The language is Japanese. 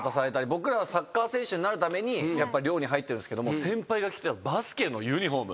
僕らはサッカー選手になるために寮に入ってるんですけど先輩が着てたバスケのユニホーム。